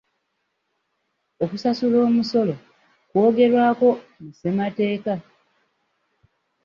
Okusasula omusolo kwogerwako mu ssemateeka.